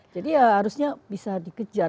jadi ya harusnya bisa dikejar